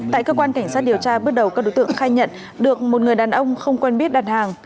tại cơ quan cảnh sát điều tra bước đầu các đối tượng khai nhận được một người đàn ông không quen biết đặt hàng